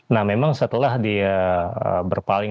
nah memang setelah dia berpaling